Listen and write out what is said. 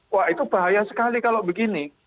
wah itu bahaya sekali kalau begini